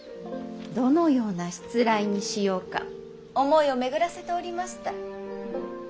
どのようなしつらえにしようか思いを巡らせておりました。